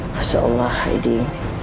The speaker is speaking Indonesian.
masya allah hiding